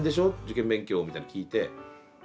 受験勉強」みたいの聞いて。